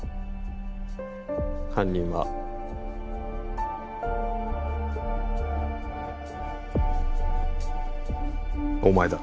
犯人はお前だ